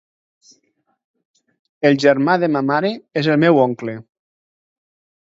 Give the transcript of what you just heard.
El germà de ma mare és el meu oncle.